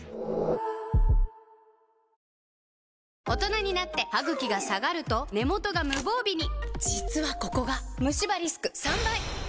大人になってハグキが下がると根元が無防備に実はここがムシ歯リスク３倍！